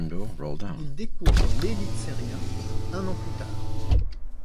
Il découvre l'Elitserien un an plus tard.